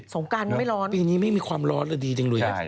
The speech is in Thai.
งการไม่ร้อนปีนี้ไม่มีความร้อนเลยดีจังเลย